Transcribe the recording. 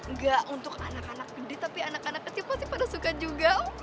enggak untuk anak anak jadi tapi anak anak kecil pasti pada suka juga